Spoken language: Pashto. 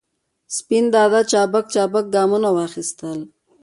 سپین دادا چابک چابک ګامونه واخستل.